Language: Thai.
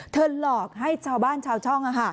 หลอกให้ชาวบ้านชาวช่อง